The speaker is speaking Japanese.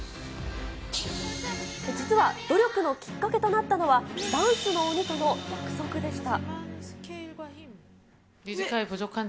実は努力のきっかけとなったのは、ダンスの鬼との約束でした。